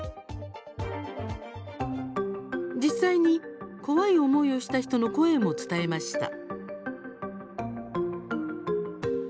実際に、怖い思いをした人の声も伝えました。